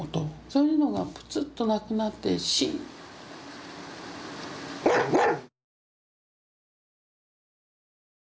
そういうのがプツッとなくなってシーン。